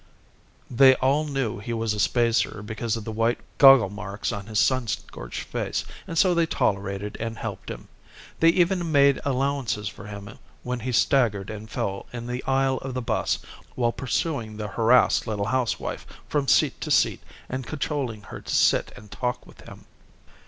They all knew he was a spacer because of the white goggle marks on his sun scorched face, and so they tolerated him and helped him. They even made allowances for him when he staggered and fell in the aisle of the bus while pursuing the harassed little housewife from seat to seat and cajoling her to sit and talk with him.